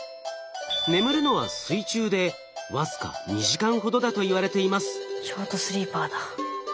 眠るのは水中で僅か２時間ほどだといわれています。